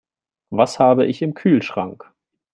Was habe ich im Kühlschrank?